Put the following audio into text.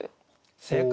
正解！